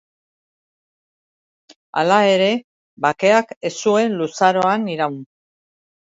Hala ere, bakeak ez zuen luzaroan iraun.